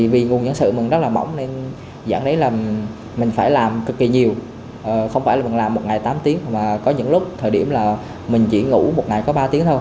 vì vậy là mọi người